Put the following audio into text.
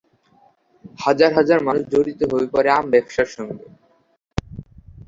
হাজার হাজার মানুষ জড়িত হয়ে পড়ে আম ব্যবসার সঙ্গে।